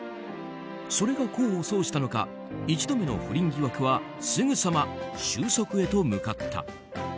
それが功を奏したのか１度目の不倫疑惑はすぐさま収束へと向かった。